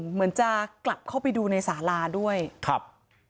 เหมือนจะกลับเข้าไปดูในสาลาด้วยครับ